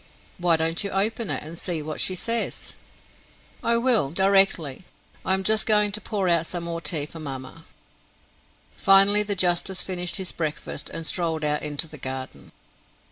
"Why don't you open it and see what she says?" "I will, directly; I am just going to pour out some more tea for mamma." Finally the justice finished his breakfast, and strolled out into the garden.